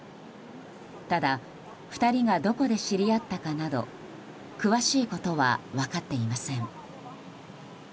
ただ、２人がどこで知り合ったかなど詳しいことは分かっていません。